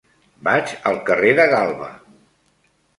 Vaig al carrer de Galba.